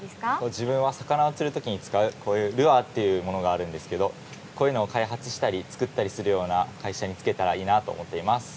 自分は、魚を釣る時に使うルアーというものがあるんですけどこういうのを開発したり作ったりするような会社に就けたらいいなと思っています。